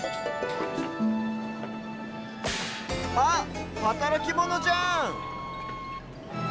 あっはたらきモノじゃん！